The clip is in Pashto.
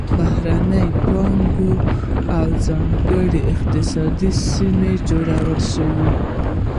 بهرنۍ پانګونه او ځانګړې اقتصادي سیمې جوړې شوې.